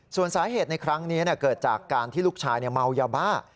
ส่วนสาเหตุในครั้งนี้เกิดจากการที่ลูกชายเมายาบ้า